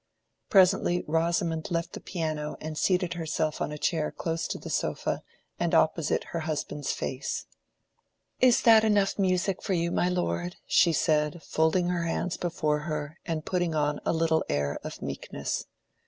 Presently Rosamond left the piano and seated herself on a chair close to the sofa and opposite her husband's face. "Is that enough music for you, my lord?" she said, folding her hands before her and putting on a little air of meekness.